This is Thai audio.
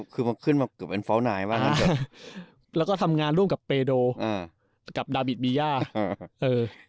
คือมันขึ้นมาเกือบเป็นแล้วก็ทำงานร่วมกับอืมกับดาวิทบียาเออ